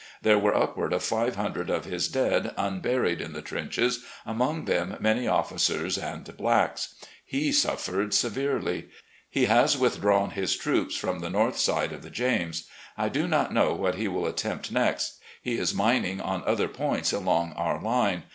There were upward of five hundred of his dead unburied in the trenches, among them many officers and blacks. He suffered severely. He has withffi awn his troops from the north side of the James. I do not know what he will attempt next. He is mining on other points along our line.